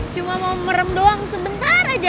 cuma mau merem doang sebentar aja